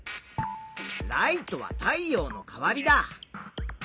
ライトは太陽の代わりだ。